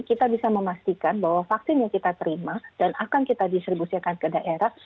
kita bisa memastikan bahwa vaksin yang kita terima dan akan kita distribusikan ke daerah